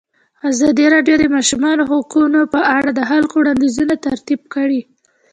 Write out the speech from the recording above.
ازادي راډیو د د ماشومانو حقونه په اړه د خلکو وړاندیزونه ترتیب کړي.